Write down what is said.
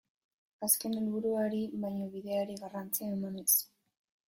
Azken helburuari baino bideari garrantzia emanez.